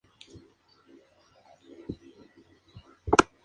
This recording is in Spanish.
Juegan en el Mercedes-Benz Superdome de la ciudad de Nueva Orleans.